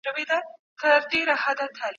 دا د زکام او ټوخي لپاره هم ښه دی.